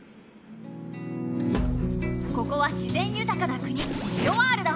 ここは自ぜんゆたかな国ジオワールド。